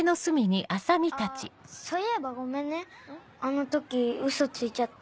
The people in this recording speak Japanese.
あっそういえばごめんねあの時ウソついちゃって。